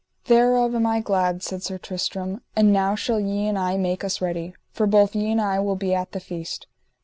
Thereof am I glad, said Sir Tristram, and now shall ye and I make us ready, for both ye and I will be at the feast.